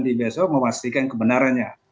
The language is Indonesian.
biasanya memastikan kebenarannya